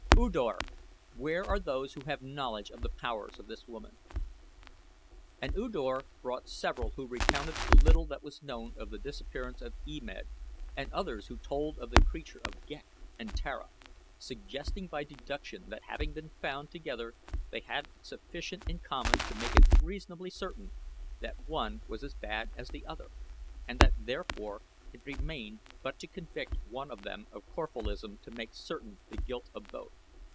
"U Dor, where are those who have knowledge of the powers of this woman?" And U Dor brought several who recounted the little that was known of the disappearance of E Med, and others who told of the capture of Ghek and Tara, suggesting by deduction that having been found together they had sufficient in common to make it reasonably certain that one was as bad as the other, and that, therefore, it remained but to convict one of them of Corphalism to make certain the guilt of both.